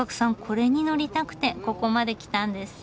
これに乗りたくてここまで来たんです。